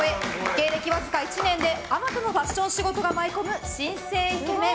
芸歴わずか１年であまたのファッション仕事が舞い込む、新星イケメン。